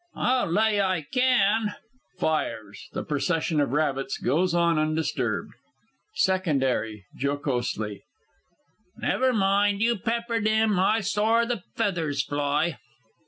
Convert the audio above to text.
I'll lay I can! [Fires. The procession of rabbits goes on undisturbed. SECOND 'ARRY (jocosely). Never mind. You peppered 'im. I sor the feathers floy!